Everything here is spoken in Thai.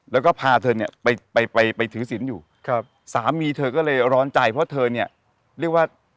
แล้วก็พาเธอไปถือสินอยู่สามีเธอก็เลยร้อนใจเพราะเธอเรียกว่า